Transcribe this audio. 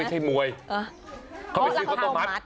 อ้าวเค้ามาซื้อข้าวต้มมัด